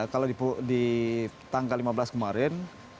kalau di tanggal lima belas kemarin asumsinya kan semua